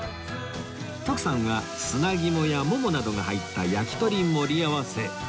徳さんは砂肝やももなどが入ったやきとり盛り合わせ